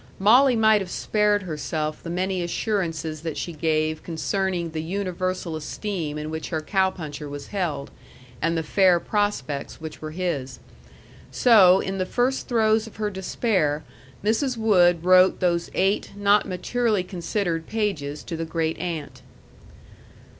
Molly might have spared herself the many assurances that she gave concerning the universal esteem in which her cow puncher was held, and the fair prospects which were his. So, in the first throes of her despair, Mrs. Wood wrote those eight not maturely considered pages to the great aunt.